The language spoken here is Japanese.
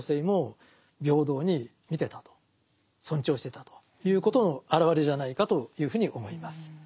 日蓮がということの表れじゃないかというふうに思います。